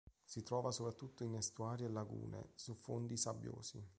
Si trova soprattutto in estuari e lagune, su fondi sabbiosi.